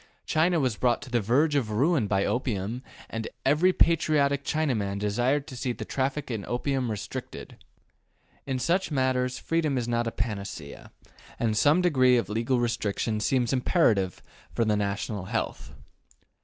China was brought to the verge of ruin by opium, and every patriotic Chinaman desired to see the traffic in opium restricted. In such matters freedom is not a panacea, and some degree of legal restriction seems imperative for the national health.